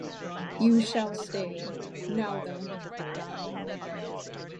You shall stay: now then!